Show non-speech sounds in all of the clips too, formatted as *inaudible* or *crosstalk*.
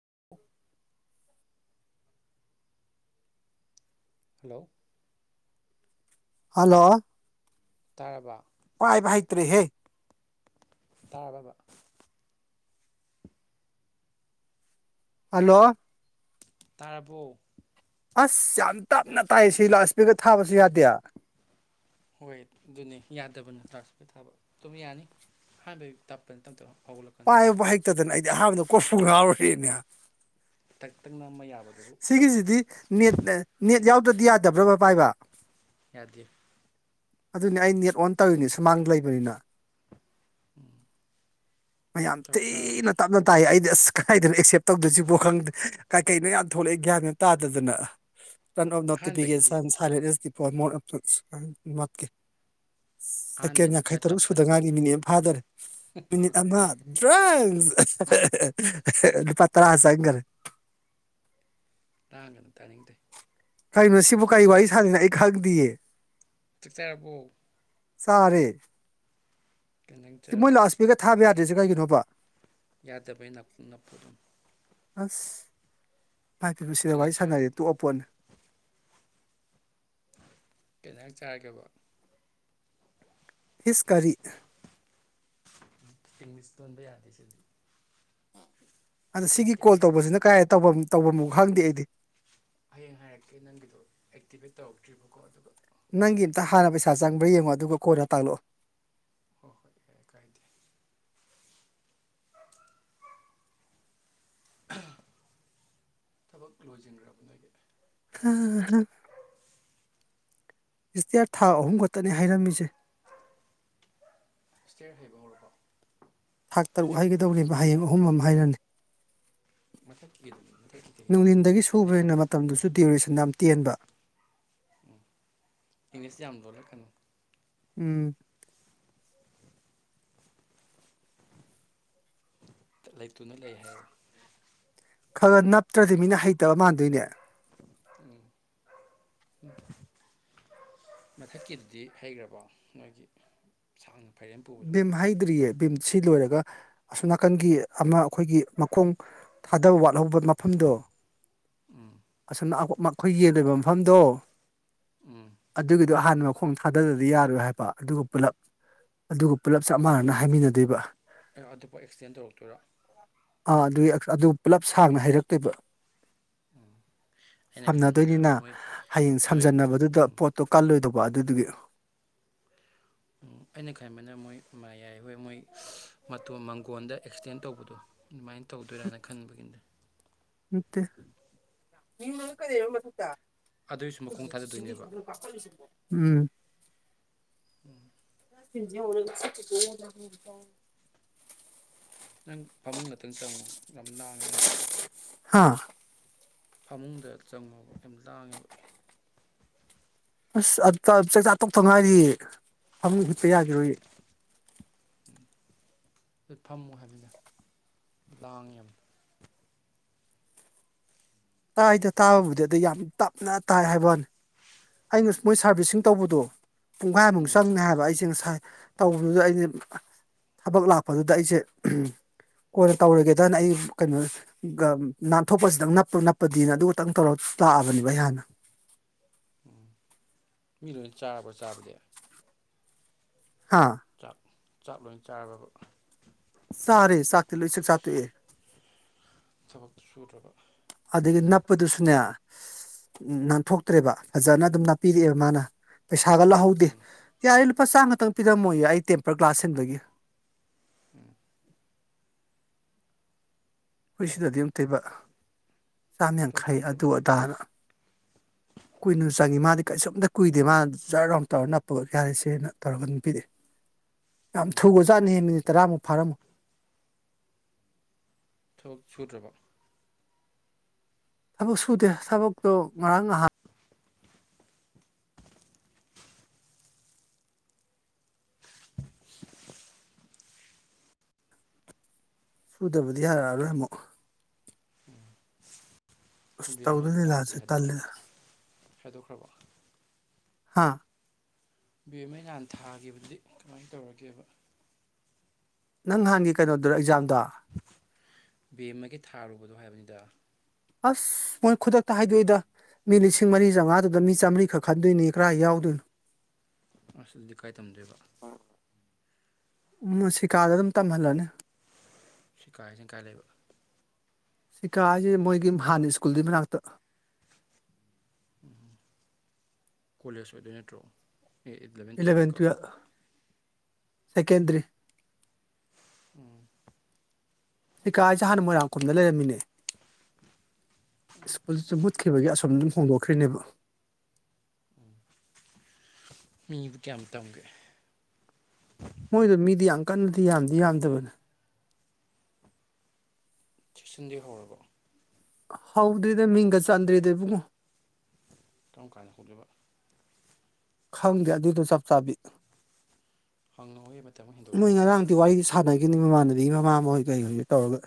*unintelligible* Hello hello ꯇꯥꯔꯕ ꯄꯥꯏꯕ ꯍꯩꯇ꯭ꯔꯦ ꯍꯦ ꯇꯥꯔꯕꯕꯥ ꯍꯜꯂꯣ ꯇꯥꯔꯕꯣ ꯑꯁ ꯌꯥꯝ ꯇꯥꯞꯅ ꯇꯥꯏ ꯁꯤ ꯂꯥꯎꯗ ꯏꯁꯄꯤꯛꯀ꯭ꯔ ꯊꯥꯕꯁꯨ ꯌꯥꯗꯦ ꯍꯣꯏ ꯑꯗꯨꯅꯦ ꯌꯥꯗꯕꯅꯤ ꯂꯥꯎꯗ ꯏꯁꯃꯤꯛꯀ꯭ꯔ ꯊꯥꯕ ꯑꯗꯨꯝ ꯌꯥꯅꯤ ꯑꯍꯥꯟꯕꯩ ꯇꯞꯄꯅꯤ ꯇꯝ ꯇꯝꯅ ꯄꯥꯏꯕꯕꯨ ꯍꯩꯇꯗꯅ ꯑꯩꯗꯤ ꯑꯍꯥꯟꯕꯗ ꯀꫭꯀꯄꯨ ꯉꯥꯎꯔꯨꯔꯦꯅꯦ ꯇꯛ ꯇꯛ ꯅꯝꯃ ꯌꯥꯕꯗꯨꯕꯨ ꯁꯤꯒꯤꯖꯤꯗꯤ ꯅꯥꯦꯠ ꯌꯥ ꯅꯦꯠꯌꯥꯎ ꯗ꯭ꯔꯗꯤ ꯌꯥꯗꯕ꯭ꯔꯕ ꯄꯥꯏꯕ ꯌꯥꯗꯦ ꯑꯗꯨꯅꯤ ꯑꯩ ꯅꯦꯠ ꯑꯣꯟ ꯇꯧꯔꯤꯅꯦ ꯁꯨꯃꯥꯡꯗ ꯂꯩꯕꯅꯤꯅ ꯎꯝ ꯃꯥ ꯌꯥꯝ ꯊꯤꯅ ꯇꯞꯅ ꯇꯥꯏ ꯑꯩꯗꯤ ꯑꯁ ꯀꯥꯏꯗꯅꫭ ꯑꯦꯛꯁꯦꯞ ꯇꯧꯗꯣꯏꯁꯤꯕꯣ ꯈꯪꯗꯦ ꯀꯩ ꯀꯩꯅꫭ ꯌꯥꯝ ꯊꯣꯛꯂꯛꯑꯦ ꯒꯌꯥꯒ ꯇꯥꯗꯗꯅ ꯑꯣ ꯑꯍꯥꯟꯕꯒꯤꯗꯤ ꯅꯣꯇꯤꯐꯤꯀꯦꯁꯟ ꯁꯔꯦ ꯄꯣꯔꯃꯣꯠ *unintelligible* ꯁꯦꯀꯦꯠ ꯑꯍꯥꯟꯕꯩꯗꯤ ꯌꯥꯡꯈꯩ ꯈꯔ ꯇꯔꯨꯛ ꯁꯨꯗ ꯇꯞꯄꯅꯤ ꯉꯥꯏꯔꯤꯌꯦ ꯃꯤꯅꯠ ꯐꯥꯗꫭꯔꯦ ꯃꯤꯅꯤꯠ ꯑꯃ ꯗ꯭ꯔꯦꯡ *unintelligible* ꯂꯨꯄꯥ ꯇꯥꯔꯥ ꯆꯪꯒꯔꯦ ꯂꯥꯡꯒꯅꯨ ꯇꯥꯅꯤꯡꯗꯦ ꯀꯩꯅꯣ ꯁꯤꯕꯨ ꯆꯥꯛ ꯀꯥꯏ ꯋꯥꯔꯤ ꯁꯥꯗꯅ ꯑꯩ ꯈꯪ ꯗꯤꯌꯦ ꯆꯛ ꯆꯥꯔꯕꫭ ꯁꯥꯔꯦ ꯀꯩ ꯏꯟꯖꯥꯡ ꯃꯣꯏ ꯆꯥꯔꯕ ꯂꯥꯁꯄꯨꯔ ꯀꯦ ꯊꯥꯕꯦ ꯌꯥ ꯇꯦꯁꯦ ꯀꯩꯒꯤꯅꯣꯕ ꯌꯥꯗꯕꯩ ꯅꯞ ꯅꯞꯄꯗꯨꯅꯤ ꯑꯁ ꯃꯥ ꯀ ꯀꯩ ꯁꯤꯗ ꯋꯥꯔꯤ ꯏꯟꯖꯥꯡ ꯆꯥꯔꯕ ꯁꯥꯟꯅꯔꯦ ꯇꯣꯛꯑꯄꯣꯠꯅꯤ ꯀꯅꯥꯛ ꯆꯔꯒꯦꯕ ꯍꯤꯁꯀꯔꯤ ꯏꯪꯂꯤꯁ ꯇꯣꯟꯕ ꯌꯥꯗꯦ ꯁꯤꯗꯤ ꯑꯗ ꯁꯤꯒꯤ ꯃꯩꯇꯩ ꯀꯣꯜ ꯃꯌꯦꯛ ꯇꯧꯕꯁꯤꯅ ꯑꯁꯦꯡꯕ ꯀꯥꯏꯐꯝ ꯇꯧꯐꯝꯃ ꯈꯪꯗꯦ ꯑꯩꯗꯤ ꯇꯧꯛꯇ꯭ꯔꯤꯕꯀꯣ ꯑꯗꯨꯒ ꯃꯣꯏꯅ ꯅꯪꯒꯤ ꯍꯌꯦꯡ ꯑꯝꯇ ꯍꯥꯟꯅ ꯁꯦꯝꯃꯀꯥꯟꯗ ꯄꯩꯁꯥ ꯆꯪꯕ꯭ꯔꯥ ꯌꯦꯡꯉꯣ ꯑꯗꯨꯒ ꯀꯣ ꯇꯥꯡꯉꯣꯛꯑꯣ ꯍꯣꯏ ꯍꯣꯏ ꯌꯥꯏ ꯀꯥꯏꯗꯦ ꯊꯕꯛ ꯂꯣꯏꯁꯤꯟꯈ꯭ꯔꯕ ꯅꯣꯏꯒꯤ ꯑꯝ ꯏꯁꯁꯇꯤꯌꯥꯔ ꯊꯥ ꯑꯍꯨꯝ ꯈꯛꯇꯅꯦ ꯍꯥꯏꯔꯝꯃꯤꯁꯦ ꯁꯤꯌꯔ ꯍꯩꯕ ꯍꯧꯔ꯭ꯔꯣ ꯊꯥꯛ ꯇꯔꯨꯛ ꯍꯥꯏꯒꯗꯧꯔꯤꯕ ꯍꯌꯦꯡ ꯑꯍꯨꯝ ꯑꯃ ꯍꯥꯏꯔꯅꯤ ꯃꯊꯛꯊꯈ꯭ꯔ ꯁꯨꯕꯅꯤꯅ ꯃꯇꯝꯗꯨꯁꯨ ꯗ꯭ꯌꯨꯔꯦꯁꯟ ꯌꯥꯝ ꯇꯦꯟꯕ ꯎꯝ ꯏꯪꯂꯤꯁ ꯌꯥꯝ ꯂꯣꯜꯂꯦ ꯀꯩꯅꯣ ꯎꯝ ꯂꯩꯇꯨꯅ ꯂꯩ ꯍꯥꯏꯌꯨ ꯈ ꯈ ꯅꯞꯇ꯭ꯔꯗꯤ ꯃꯤꯅ ꯍꯩꯇꯕ ꯃꯥꯟꯗꯣꯏꯅꯦ ꯎꯝ ꯎꯝ ꯃꯊꯛꯀꯤꯗꯨꯗꯤ ꯍꯩꯈ꯭ꯔꯕꯣ ꯅꯣꯏꯒꯤ ꯁꯥꯡꯅ ꯐꯩꯔꯦꯝ ꯄꯨꯕꯗꯣ ꯕꯤꯝꯍꯍꯤꯗꯔꯤꯠ ꯝ ꯁꯤ ꯂꯣꯏꯔꯒ ꯑꯁꯣꯝ ꯅꯥꯀꯟꯒꯤ ꯑꯃ ꯑꯩꯈꯣꯏꯒꯤ ꯃꯈꯣꯡ ꯊꯥꯗꯕ ꯋꯥꯠꯍꯧꯕ ꯃꯐꯝꯗꯣ ꯎꯝ ꯑꯁ ꯑꯩꯈꯣꯏ ꯌꯦꯟꯜꯂꯤꯕ ꯃꯐꯝꯗꯣ ꯎꯝ ꯑꯗꯨꯒꯤ ꯑꯗꯨ ꯑꯍꯥꯟꯕ ꯃꯈꯣꯡ ꯊꯥꯗꯗꯗꯤ ꯌꯥꯔꯣꯏ ꯍꯥꯏꯕ ꯑꯗꯨꯒ ꯄꯨꯂꯞ ꯑꯗꯨꯒ ꯄꯨꯂꯞ ꯆꯞ ꯃꯥꯟꯅꯅ ꯍꯥꯏꯃꯤꯟꯅꯗꯣꯏꯕ ꯑꯦ ꯑꯗꯨꯕꯨ ꯑꯦꯛꯁꯇꯦꯟ ꯇꯧꯔꯛꯇꯣꯏꯔꯥ ꯑꯥ ꯑꯗꯨꯒꯤ ꯑꯗꯨ ꯄꯨꯂꯞ ꯁꯥꯡꯅ ꯍꯩꯔꯛꯇꯣꯏꯕ ꯑꯩꯅ ꯈꯟꯕꯅ ꯁꯝꯅꯗꯣꯏꯅꯤꯅ ꯃꯣꯏ ꯍꯌꯦꯡ ꯅꯣꯏ ꯁꯝꯖꯟꯅꯕꯗꯨꯗ ꯎꯝ ꯄꯣꯠꯇꯣ ꯀꯜꯂꯣꯏꯗꯧꯕ ꯋꯥꯗꯨꯗꯨꯒ ꯎꯝ ꯑꯩꯅ ꯈꯟꯕꯅ ꯃꯣꯏ ꯃꯥ ꯌꯥꯏ ꯍꯣꯏ ꯃꯣꯏ ꯃꯇꯣꯟ ꯃꯪꯒꯣꯟꯗ ꯑꯦꯛꯁꯇꯦꯟ ꯇꯧꯕꯗꯣ ꯑꯗꯨꯃꯥꯏꯅ ꯇꯧꯗꯣꯏꯔꯥꯅ ꯈꯟꯕꯒꯤꯅꯦ ꯃꯤ ꯀꯔꯤꯕ ꯃꯊꯛꯇ ꯑꯗꯨꯏꯁꯨ ꯃꯈꯣꯡ ꯊꯥꯗꯗꯣꯏꯅꯦꯕ ꯥꯛ ꯎꯝ ꯎꯝ ꯅ ꯅꯪ ꯐꯃꯨꯡ ꯉꯥꯛꯛꯇꯪ ꯆꯪꯉꯣ ꯌꯥꯝ ꯥꯡꯉꯦ ꯅꯪꯒꯤꯗꯣ ꯍꯥꯥ ꯐꯃꯨꯡꯗ ꯆꯪꯉꯨꯕ ꯌꯥꯝ ꯂꯥꯡꯉꯦꯕ ꯑꯁ ꯑ ꯆꯥꯛꯆꯥ ꯇꯣꯛꯇ ꯉꯥꯏꯔꯤ ꯐꯃꯨꯡ ꯍꯤꯞꯄ ꯌꯥꯒꯤꯔꯣꯏꯌꯦ ꯐꯝꯃꯨ ꯍꯥꯏꯕꯗ ꯂꯥꯡꯉꯤ ꯌꯥꯝ ꯇꯥꯏꯗ ꯇꯥꯕꯕꯨꯗꯤ ꯑꯗ ꯌꯥꯝ ꯇꯞꯅ ꯇꯥꯏ ꯍꯥꯏꯕꯨꯋꯥꯅꯤ ꯑꯩꯅ ꯃꯣꯏ ꯁꯥꯔꯚꯤꯁꯁꯤꯡ ꯇꯧꯕꯗꯣ ꯄꯨꯡꯈꯥꯏꯃꯨꯛ ꯎꯝ ꯆꯪꯅꯤ ꯍꯥꯏꯕ ꯑꯩꯁꯦ ꯉꯁꯥꯏ ꯇꯧꯕꯗꯨꯗ ꯑꯩꯗꯤ ꯊꯕꯛ ꯂꯥꯛꯄꯗꯨꯗ ꯑꯩꯁꯦ ꯀꯣꯟꯅ ꯇꯧꯔꯒꯦꯗꯅ ꯑꯩ ꯀꯩꯅꯣ ꯅꯥꯟꯊꯣꯛꯄꯁꯤꯗꯪ ꯅꯞꯄ -ꯅꯞꯄꯗꯤꯅ ꯑꯗꯨ ꯈꯛꯇꯪ ꯇꯧꯔ ꯂꯥꯛꯑꯕꯅꯦꯕ ꯑꯩ ꯍꯥꯟꯅ ꯑꯗꯨꯅ ꯆꯥꯔꯕ ꯆꯥꯕꯗꯤ ꯍꯥꯥ ꯆꯥꯛ ꯆꯥꯛ ꯂꯣꯏ ꯆꯥꯔꯕꯕ ꯆꯥꯔꯦ ꯆꯥꯛꯇꯤ ꯂꯣꯏ ꯆꯥꯛ ꯆꯥꯇꯣꯛꯑꯦ ꯊꯕꯛ ꯁꯨꯗ꯭ꯔꯕ ꯑꯗꯒꯤ ꯅꯞꯄꯗꯨꯁꯨꯅꯦ ꯅꯥꯟꯊꯣꯛꯇ꯭ꯔꯦꯕ ꯐꯖꯅ ꯑꯗꯨꯝ ꯅꯞꯄꯤꯔꯛꯑꯦꯕ ꯃꯥꯅ ꯄꯩꯁꯥꯒꯂꯧꯍꯧꯗꯦ ꯎꯝ ꯌꯥꯔꯦ ꯂꯨꯞꯄꯥ ꯆꯥꯝꯃ ꯈꯛꯇꯪ ꯄꯤꯔꯝꯃꯣꯌꯦ ꯑꯩ ꯇꯦꯝꯄ꯭ꯔ ꯒ꯭ꯂꯥꯁ ꯁꯤꯟꯕꯒꯤ ꯎꯝ ꯍꯈꯣꯏ ꯊꯕꯛ ꯁꯤꯗꯗꯤ ꯑꯃꯨꯛꯇꯣꯏꯕ ꯆꯥꯝ ꯊꯕꯛ ꯌꯥꯡꯈꯩ ꯑꯗꯨ ꯁꯨꯗ꯭ꯔꯕ ꯑꯗꯥꯅ ꯀꯨꯏꯅ ꯆꯪꯏ ꯃꯥꯗꯤ ꯀꯩꯁꯨ ꯀꯨꯏꯗꯦ ꯃꯥꯗꯤ ꯖꯔ ꯂꯥꯎꯅ ꯇꯧꯔꯒ ꯅꯞꯄ ꯌꯥꯔꯦꯁꯦꯅ ꯇꯧꯔꯒ ꯄꯤꯔꯛꯑꯦ ꯌꯥꯝ ꯎꯝ ꯊꯨꯒ꯭ꯔꯖꯥꯠ ꯅꯤꯍꯦ ꯃꯤꯅꯤꯠ ꯇꯔꯥꯃꯨꯛ ꯐꯥꯔꯝꯃꯨ ꯊꯕꯛ ꯁꯨꯗ꯭ꯔꯕꯣ ꯊꯕꯛ ꯁꯨꯗꯦ ꯊꯕꯛꯇꯣ ꯉꯔꯥꯡ ꯅꯍꯥꯟ ꯁꯨꯗꯕꯗꯤ ꯌꯥꯔꯛꯑꯔꯣꯏ ꯑꯃꯨꯛ ꯎꯝ *unintelligible* ꯑꯁ ꯇꯧꯗꯣꯏ ꯂꯤꯂꯥꯁꯦ ꯇꯜꯂꯦꯗ ꯈꯥꯏꯗꯣꯛꯈ꯭ꯔꯕ ꯍꯥꯥ ꯕꯃꯩ ꯅꯍꯥꯟ ꯊꯥꯈꯤꯕꯗꯤ ꯀꯃꯥꯏꯅ ꯇꯧꯔꯒꯦꯕ ꯅꯪ ꯅꯍꯥꯟꯒꯤ ꯀꯩꯅꯣꯗꯨꯔ ꯑꯦꯛꯖꯥꯝꯗꯣ ꯕꯦꯝꯃꯒꯤ ꯊꯥꯔꯨꯕꯗꯣ ꯍꯥꯏꯕꯅꯤꯗ ꯑꯁ ꯃꯣꯏ ꯈꯨꯗꯛꯇ ꯍꯥꯏꯗꯣꯛꯏꯗ ꯃꯤ ꯂꯤꯁꯤꯡ ꯃꯔꯤ ꯆꯥꯝꯃꯉꯥꯗꯨꯗ ꯃꯤ ꯆꯥꯝꯃꯔꯤ ꯈꯛ ꯈꯟꯗꯣꯏꯅꯤ ꯀꯔꯥꯏ ꯌꯥꯎꯗꯣꯏꯅꯣ ꯑꯁ ꯑꯗꯨꯗꯤ ꯀꯥꯏ ꯇꯝꯗꯣꯏꯕ ꯃꯨꯁꯤꯀꯥꯗ ꯑꯗꯨꯝ ꯇꯝꯍꯜꯂꯅꯤ ꯁꯤꯀꯥꯏꯁꯤꯅ ꯀꯥꯏ ꯂꯩꯕ ꯁꯤꯀꯥ ꯍꯥꯏꯖꯦ ꯃꯣꯏꯒꯤ ꯍꯥꯟꯅ ꯁ꯭ꯀꯨꯜꯒꯤ ꯗꯨꯒꯤ ꯃꯅꯥꯛꯇ ꯎꯝ ꯀꯣꯂꯦꯖ ꯂꯣꯏꯗꯣꯏ ꯅꯠꯇ꯭ꯔꯣ ꯑꯦ- ꯑꯦꯂꯕꯦꯟ ꯏꯂꯚꯦꯟ ꯇꯨꯌꯦꯜꯞꯅꯤꯀꯣ ꯇꯨꯌꯦꯜꯞ ꯁꯦꯀꯦꯟꯗ꯭ꯔꯤ ꯎꯝ ꯁꯤꯀꯥ ꯍꯥꯏ ꯖꯦ ꯍꯥꯟꯅ ꯃꯣꯏꯔꯥꯡꯈꯣꯝꯗ ꯂꯩꯔꯝꯃꯤꯅꯦ ꯁꯀ꯭ꯔꯜ ꯈꯤꯕꯒ ꯑꯁꫭꯝ꯫ ꯍꯣꯡꯗꯣꯛꯈ꯭ꯔꯤꯅꯦꯕ꯫ ꯎꯝ ꯃꯤꯕꯨ ꯀꯌꯥꯝ ꯇꯝꯒꯦ꯫ ꯃꯣꯏꯗꯣ ꯃꯤꯗꯤ ꯌꯥꯝ ꯀꯟꯅꯗꯤ ꯌꯥꯝꯗꯤ ꯌꯥꯝꯗꯕꯅꯦ꯫ ꯁ‌ꯦꯛꯁꯟꯗꯤ ꯍꯧꯔꯕꯣ꯫ ꯍꯥꯎꯗ꯭ꯔꯤꯗ ꯃꯤꯒ ꯆꯟꯗ꯭ꯔꯤꯗ ꯏꯕꯨꯡꯉꫭ꯫ ꯪꯀꯝ ꯀꯥꯟ ꯍꯧꯗꫭꯏꯕ꯫ ꯈꯪꯗ‌ꯦ ꯑꯗꯨꯗꯣ ꯆꯞ ꯆꯥꯕꯤ꯫ ꯍꯪꯉꯑꯣꯒꯤ ꯃꯇꯝ ꯑꯃ ꯅꯣꯏ ꯍꯦꯟꯗꯣꯛꯈꯤꯅꯤ ꯉꯔꯥꯡꯗꯤ ꯋꯥꯔꯤꯗꯤ ꯁꯥꯟꯅꯈꯤꯅꯤ ꯃꯃꯥꯅꯗꯤ ꯃꯃꯥ꯫ ꯃꯣꯏ ꯗꯩ ꯍꯧꯖꯤꯛ ꯇꯧꯔꯒ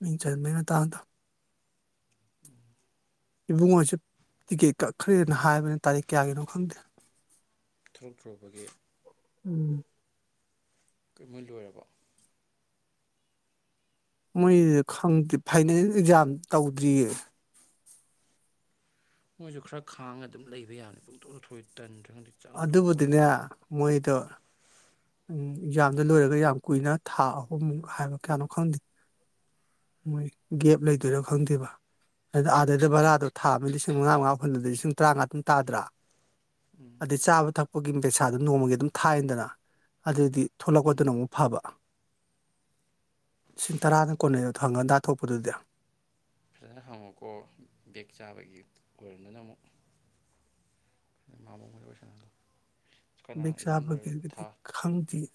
ꯃꯤꯡ ꯆꯟꯕꯒꯤ ꯃꯇꯥꯡꯗ꯫ ꯏꯕꯨꯡꯉꫭ ꯁꯨ ꯇꯤꯀꯦꯠ꯫ ꯈꯔꯦꯅ ꯍꯥꯏꯕꯅꯦ ꯇꯥꯔꯤꯛ ꯀꯌꯥꯒꯤꯅꯣ ꯈꯪꯗꯦ꯫ ꯊꯣꯛꯂꯛꯇ꯭ꯔꯨꯕꯒꯤ ꯎꯝ꯫ ꯀ ꯃꯣꯏ ꯂꯣꯏꯔꯕ꯫ ꯃꯣꯏ ꯈꯪꯗ‌ꯦ ꯐꯥꯏꯅꯦꯜ ꯑꯦꯛꯖꯥꯝ ꯇꯧꯗ꯭ꯔꯤꯌꯦ꯫ ꯃꯣꯏꯁꯨ ꯈꯔ ꯈꯥꯡꯉ ꯑꯗꯨꯝ ꯂꯩꯕ ꯌꯥꯅꯤ ꯄꯨꯡꯇꯣꯛꯇꯊꯣꯛꯏ ꯇꯟꯗ꯭ꯔꯥ꯫ ꯑꯗꯨꯕꯨꯗꯤꯅꯦ ꯃꯣꯏꯗꯣ꯫ ꯎꯝ ꯑꯦꯛꯖꯥꯝꯗ ꯂꯣꯏꯔꯒ ꯌꯥꯝ ꯀꯨꯏꯅ ꯊꯥ ꯑꯍꯨꯝꯃꯨꯛ ꯍꯥꯏꯕ ꯀꯌꯥꯅꯣ ꯈꯪꯗꯦ ꯃꯣꯏ ꯒꯦꯞ ꯂꯩꯗꯣꯏꯔ ꯈꯪꯗꯦꯕ꯫ ꯑꯥꯗꯩꯗ ꯎꯝ ꯚꯔꯥꯗꯣ ꯊꯥꯕ꯫ ꯃꯉꯥ ꯃꯉꯥ ꯍꯨꯜꯂꯗꯤ ꯂꯤꯁꯤꯡ ꯇꯔꯥꯉꯥꯗꯨꯝ ꯇꯥꯗ꯭ꯔꯥ꯫ ꯎꯝ ꯑꯗꯩ ꯆꯥꯕ ꯊꯛꯄ꯫ ꯑꯈꯣꯏꯒꯤ ꯄꯩꯁꯥꯗꫭ ꯅꯣꯡꯃꯒꯤ ꯑꯗꯨꯝ ꯊꯥꯏꯟꯗꯅ꯫ ꯑꯗꯗꯤ꯫ ꯎꯝ ꯊꯣꯛꯂꯛꯄꯗꯨꯅ ꯑꯃꯨꯛ ꯐꯕ꯫ ꯂꯤꯁꯤꯡ ꯇꯔꯥꯗ ꯀꯣꯟꯅꯩ ꯑꯦ꯫ ꯍꯪꯒꯟꯗ ꯊꯣꯛꯄꯗꯨꯗꯤ꯫ ꯐꯖꯅ ꯍꯪꯉꯣꯀꯣ ꯕꯦꯛ ꯆꯥꯕꯒꯤ ꯑꯣꯏꯔꯝꯗꯅ ꯑꯃꫭꯛ ꯅꫭꯏꯃꯍꫭꯏ ꯐꯖꯟ ꯋꯥꯔꯤꯁꯥꯅꯍꯜꯂꯨ꯫ ꯕꯤꯛ ꯆꯥꯕ ꯒꯤꯔꯗꯤ ꯈꯪꯗ‌ꯦ꯫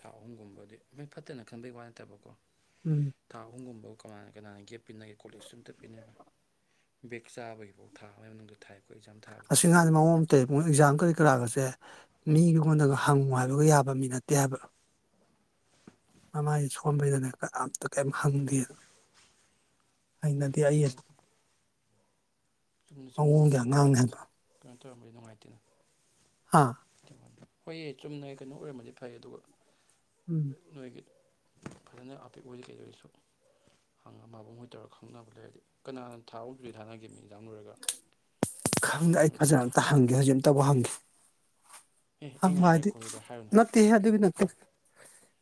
ꯊꯥ ꯑꯍꯨꯝꯒꯨꯝꯕꯗꯤ ꯃꯣꯏ ꯐꯠꯇꯅ ꯈꯪꯕꯩ ꯋꯥ ꯅꯠꯇꯕꯀꯣ꯫ ꯎꯝ ꯊꯥ ꯍꯣꯡꯒꯨꯝꯕ꯫ ꯀꯅꯥꯅ ꯀꯅꯥꯅ ꯒꯦꯞ ꯄꯤꯟꯅꯒꯦ ꯀꯣꯂꯦꯖꯁꯨ ꯑꯝꯇ ꯄꯤꯟꯅꯕ ꯕꯦꯛ ꯆꯥꯕꯒꯤꯐꯥꯎ ꯊꯥꯕꯒꯤ ꯃꯅꯨꯡꯗ ꯊꯥꯏꯕ꯫ ꯑꯁꯤ ꯉꯥꯡꯁ‌ꯦ ꯃꯑꯣꯡ ꯑꯝꯇꯧ ꯃꯥꯏ ꯑꯦꯛꯖꯥꯝ ꯀꯔꯤ ꯀꯔꯥꯒꯁꯦ ꯃꯤꯒꯤꯉꯣꯟꯗꯒ꯫ ꯍꯪꯉꯨ ꯍꯥꯏꯕꯒ ꯌꯥꯕ ꯃꯤ ꯅꯠꯇꯦ ꯍꯥꯏꯕ ꯃꯃꯥꯏꯁ ꯁꯣꯟꯕꯩꯗꯅꯦ ꯀꯅꯥꯝꯇ ꯀ‌ꯦꯝ ꯍꯪꯗꯦꯕ꯫ ꯍꯩꯅꯗ‌ꯦ ꯑꯗꯨꯝ ꯑꯩ ꯁ꯫ ꯍꯥꯏꯗꯤ ꯃ‌ꯑꯣꯡꯒꯤ ꯑꯉꯥꯡꯅ‌ꯦ ꯍꯥꯏꯕ꯫ ꯇꯨꯔꯝꯕꯩꯗꯤ ꯅꯨꯡꯉꯥꯏꯇꯦꯅ꯫ ꯍꯥꯥ꯫ ꯍꯣꯏꯌꯦ ꯆꯨꯝꯅ ꯀꯩꯅꯣ ꯑꯣꯏꯔꯝꯃꯗꯤ ꯐꯩ ꯑꯗꯨꯒ ꯎꯝ ꯅꯣꯏꯒꯤ ꯐꯖꯅ ꯑꯄꯤꯛ ꯑꯣꯏꯗꯤ ꯀꯩꯗ ꯑꯣꯏꯔꯁꯨ ꯍꯪꯉ ꯃꯥꯕꯈꯣꯏ ꯇꯧꯔꯒ ꯈꯪꯅꯕ ꯂꯩꯔꯗꯤ ꯀꯅꯥꯅ ꯊꯥꯕ ꯑꯁꯨꯨ ꯊꯥꯅꯈꯤꯕ ꯃꯤꯅꯤ ꯃꯔꯦꯒ ꯈꯪꯗꯦ ꯑꯩ ꯐꯖꯅ ꯑꯝꯇ ꯍꯪꯒꯦ ꯍꯧꯖꯤꯛ ꯑꯃꯝ ꯇꯧꯕ ꯍꯪꯒꯦ ꯑꯦ ꯑꯩꯅ ꯍꯥꯏꯔꯦ ꯑꯗꯤ ꯈꯣꯠꯂꯦꯗ ꯍꯥꯏꯔꯨꯅꯨ ꯅꯠꯇꯦ ꯑꯗꯨꯒꯤ ꯅꯠꯇꯦ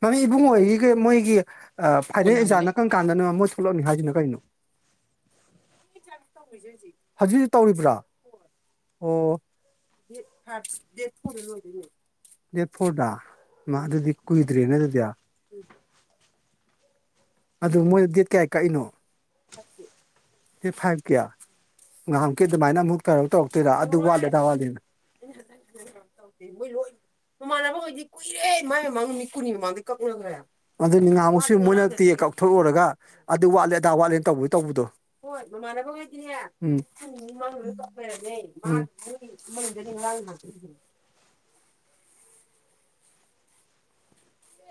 ꯃꯃꯤ ꯀꯩ ꯏꯕꯨꯡ ꯑꯣꯏꯔꯤꯒ ꯃꯣꯏꯒꯤ ꯑ ꯀꯣꯟꯅ ꯐꯔꯦꯩ ꯖꯥꯠ ꯍꯪꯉꯣꯅꯦ ꯅꯥꯀꯔ ꯀꯥꯟꯗꯅ ꯃꯣꯏ ꯊꯣꯛꯂꯛꯅꯤ ꯍꯥꯏꯁꯤꯅ ꯀꯩꯅꯣ ꯍꯧꯖꯤꯛ ꯍꯧꯖꯤꯛ ꯇꯧꯔꯤꯕ꯭ꯔꯥ ꯑꯣ ꯗꯦꯠ ꯐꯣꯔꯗꯥ ꯃꯥ ꯑꯗꯨꯗꯤ ꯀꯨꯏꯗ꯭ꯔꯦꯅ ꯑꯗꯨꯗꯤ ꯎꯝ ꯑꯗꯨ ꯃꯣꯏꯗ ꯗꯦꯠ ꯀꯌꯥ ꯀꯛꯏꯅꯣ ꯗꯦꯠ ꯐꯥꯏꯚ ꯀꯌꯥ ꯉꯥꯏꯍꯃꯨꯛꯀꯤ ꯑꯗꯨꯃꯥꯏꯅ ꯑꯃꯨꯛ ꯇꯧꯔ ꯇꯧꯔꯛꯇꯣꯏꯔ ꯑꯗꯨꯠꯂꯦꯗꯥꯂꯤꯅ ꯉꯥꯏꯍꯨꯛꯁꯨ ꯃꯣꯏꯅ ꯀꯛꯊꯣꯛꯎꯨꯔꯒ ꯑꯗꯨ ꯋꯥꯠꯂꯦ ꯑꯗꯥ ꯋꯥꯠꯂꯦꯅ ꯇꯧꯕ ꯇꯧꯕꯗꯣꯝ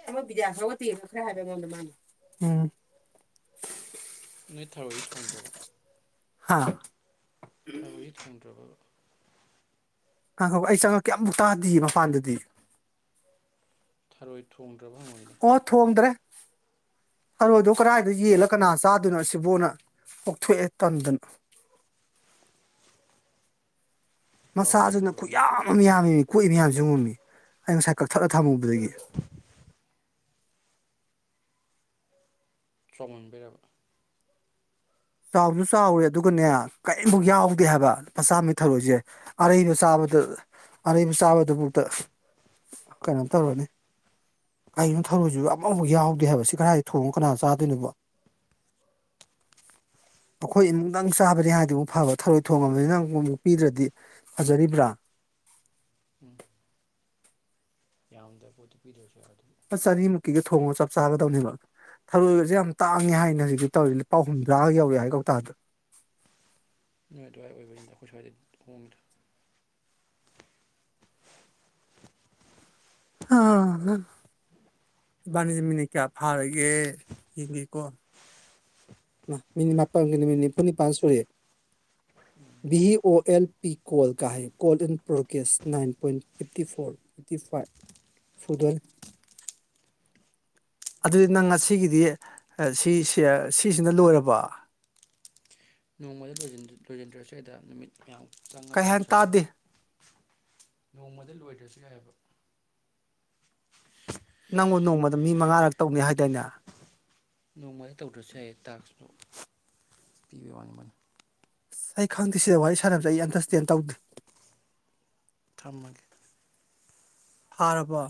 ꯑꯦ ꯑꯃꯣꯏ ꯕꯤꯗꯌꯥ ꯐꯥꯎꯒ ꯇꯦꯡꯕ ꯈꯔ ꯍꯥꯏꯕ ꯑꯩꯉꯣꯟꯗ ꯃꯥꯅꯦ ꯅꯣꯏ ꯊꯥꯔꯣꯏꯗꯤ ꯊꯣꯡꯗ꯭ꯔꯕ ꯍ ꯊꯔꯣꯏꯁ ꯊꯣꯡꯗ꯭ꯔꯕ ꯑ ꯑꯩ ꯆꯪꯉꯛꯀꯦꯃꯨꯛ ꯇꯥꯗꯤ ꯃꯄꯥꯟꯗꯗꯤ ꯊꯥꯔꯣꯏꯠ ꯊꯣꯡꯗ꯭ꯔꯕ ꯍꯪꯉꯣꯏꯗ ꯐꯔꯣꯏꯗꯣ ꯀꯗꯥꯏꯗ ꯌꯦꯜꯂ ꯀꯅꯥ ꯆꯥꯗꯣꯏꯅꯣ ꯁꯤꯕꯣꯅ ꯀꯣꯛꯊꯣꯛꯑꯦ ꯇꯝꯗꯅꯣ ꯆꯥꯎꯈ꯭ꯔꯦ ꯃꯆꯥꯥꯁꯤꯅ ꯑꯗꯣ ꯀ ꯃꯤ ꯌꯥꯝ ꯑꯃ ꯃ ꯌꯥꯝꯃꯤꯃꯤ ꯀꯣꯏꯏꯕ ꯃꯌꯥꯝꯁꯨ ꯎꯝꯃꯤ ꯑꯩ ꯉꯁꯥꯏ ꯀꯛꯊꯠꯂ ꯊꯝꯃꯨꯕꯗꯒꯤ ꯆꯥꯎꯣꯡꯃꯟꯕꯤꯔꯕ ꯆꯥꯎꯕꯁꯨ ꯆꯥꯎꯔꯦ ꯑꯗꯨꯒꯅꯦ ꯀꯔꯤꯝꯐꯥꯎ ꯌꯥꯎꯗꯦ ꯍꯥꯏꯕ ꯃꯆꯥꯝꯃ ꯊꯧꯔꯣꯏꯁꯦ ꯑꯔꯩꯕ ꯆꯥꯕꯗ ꯑꯔꯩꯕ ꯆꯥꯕꯗꯨꯐꯥꯎꯗ ꯀꯩꯅꯣꯝ ꯇꯧꯔꯅꯤ ꯀꯔꯤꯕ ꯊꯧꯔꯣꯏꯁꯤ ꯑꯃꯐꯥꯎ ꯌꯥꯎꯗꯦ ꯍꯥꯏꯕ ꯁꯤ ꯀꯗꯥꯏꯗ ꯊꯣꯡꯉ ꯀꯅꯥ ꯆꯥꯗꯣꯏꯅꯣꯕ ꯑꯩꯈꯣꯏ ꯏꯃꯅꯨꯡꯗꯪ ꯆꯥꯕꯅꯤ ꯍꯥꯏꯗꯤ ꯑꯃꯨꯛ ꯐꯕ ꯊꯔꯣꯏ ꯊꯣꯡꯉꯕꯅꯤꯅ ꯑꯃꯛ ꯑꯃꯨꯛ ꯄꯤꯗ꯭ꯔꯗꯤ ꯐꯖꯔꯤꯕ꯭ꯔꯥ ꯌꯥꯝꯎꯗ ꯄꯣꯠꯇ ꯄꯤꯔꯁꯗꯤ ꯆꯅꯤꯃꯨꯛꯀꯤꯒ ꯊꯣꯡꯉꯣ ꯆꯞ ꯆꯥꯒꯗꯧꯅꯦꯕ ꯊꯔꯣꯏꯕꯁꯦ ꯌꯥꯝ ꯇꯥꯡꯉꯦ ꯍꯥꯏꯅ ꯍꯧꯖꯤꯛꯇꯤ ꯇꯧꯔꯤ ꯂꯨꯄꯥ ꯍꯨꯝꯗ꯭ꯔꯥꯒ ꯌꯧꯋꯦ ꯍꯥꯏ ꯀꯧꯇꯥꯗ ꯅ ꯑꯗꯨꯋꯥꯥꯏ ꯑꯣꯏꯕꯅꯤꯗ ꯑꯩꯈꯣꯏ ꯁ꯭ꯋꯥꯏꯗ ꯍꯣꯗ ꯑ ꯏꯕꯥꯅꯤꯁꯤ ꯃꯤꯅ ꯀꯌꯥ ꯐꯥꯔꯒꯦ ꯌꯦꯡꯒꯀꯣ ꯃꯤꯅꯤꯠ ꯃꯥꯄꯜꯒꯤ ꯅꯨꯃꯤꯠ ꯅꯤꯐꯨ ꯅꯤꯄꯥꯜ ꯁꯨꯔꯦ V O L P call ꯀꯥ ꯍꯥꯏꯦ call in process nine point fifty four fifty five ꯁꯨꯗꯅꯤ ꯑꯗꯨꯗꯤ ꯅꯪ ꯉꯁꯤꯒꯤꯗꯤ ꯁꯤꯁ ꯁꯤꯁꯤꯅ ꯂꯣꯏꯔꯕ ꯅꯣꯡꯃꯗ ꯂꯣꯏꯁꯤꯟꯗ꯭ꯔꯁꯤ ꯀꯩꯗ ꯅꯨꯃꯤꯠ ꯃꯌꯥꯝ ꯆꯪꯉ ꯀꯩ ꯇꯧꯔ ꯍꯥꯏꯅ ꯁ꯭ꯋꯥꯏꯗ ꯇꯥꯗꯦ ꯅꯣꯡꯃꯗ ꯂꯣꯏꯗ꯭ꯔꯁꯨ ꯌꯥꯏꯕ ꯅꯪꯉꯕꯨ ꯅꯣꯡꯃꯗ ꯃꯤ ꯃꯉꯥꯔꯛ ꯇꯧꯅꯤ ꯍꯥꯏꯗꯥꯅꯦ ꯅꯣꯡꯃꯗ ꯇꯧꯗ꯭ꯔꯁꯨ ꯌꯥꯏꯌꯦ ꯇꯥꯛꯁꯇꯨ ꯄꯤꯕ ꯋꯥꯅꯤ ꯃꯥꯅꯤ ꯑꯩ ꯈꯪꯗꯦ ꯁꯤꯗ ꯋꯥꯔꯤ ꯁꯥꯟꯅꯕꯁꯦ ꯑꯩ ꯑꯟꯗꯔꯁꯇꯦꯟ ꯇꯧꯗꯦ ꯊꯥꯝꯃꯒ ꯍꯔꯔꯕ